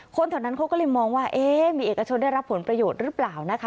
คนแถวนั้นเขาก็เลยมองว่าเอ๊ะมีเอกชนได้รับผลประโยชน์หรือเปล่านะคะ